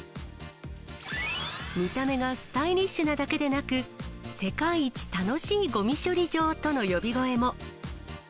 見た目がスタイリッシュなだけでなく、世界一楽しいごみ処理場との呼び声も。